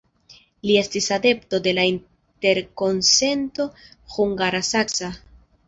Li estis adepto de la interkonsento hungara-saksa.